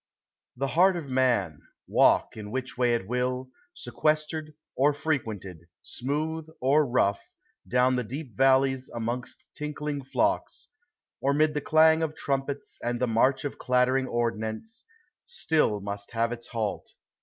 The heart of man, walk in which way it will, Sequestered or frequented, smooth or rough, Down the deep valleys amongst tinkling flocks, Or mid the clang of trumpets and the march Of clattering ordnance, si ill must have its halt.